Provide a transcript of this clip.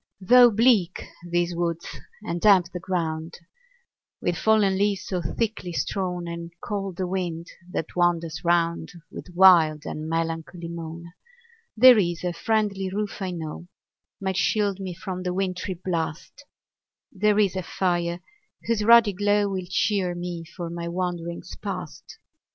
Though bleak these woods, and damp the ground With fallen leaves so thickly strown, And cold the wind that wanders round With wild and melancholy moan; There IS a friendly roof, I know, Might shield me from the wintry blast; There is a fire, whose ruddy glow Will cheer me for my wanderings past.